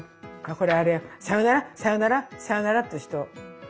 これあれよさよならさよならさよならって言う人。